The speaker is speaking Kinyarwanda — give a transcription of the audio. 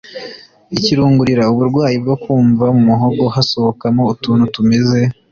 ikirungurira: uburwayi bwo kumva mu muhogo hasohokamo utuntu tumeze